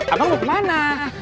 abang mau kemana